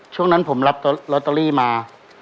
ช่วงนั้นผมรับลอตเตอรี่มา